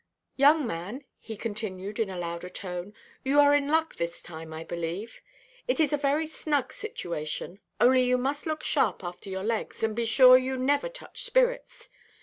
Young man," he continued in a louder tone, "you are in luck this time, I believe. It is a very snug situation; only you must look sharp after your legs, and be sure you never touch spirits.